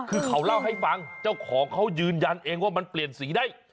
คือเขาเล่าให้ฟังเจ้าของเขายืนยันเองว่ามันเปลี่ยนสีได้